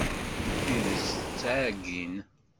Tidet tettɛeggin.